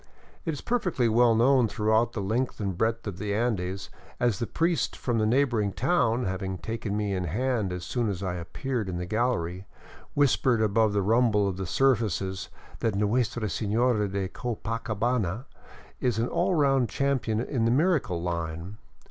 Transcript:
It is perfectly well known throughout the length and breadth of the Andes, as the priest from the neighboring town, having taken me in hand as soon as I appeared in the gallery, whispered above the rumble of the serv ices, that Nuestra Sefiora de Copacabana is an all round champion in the miracle line.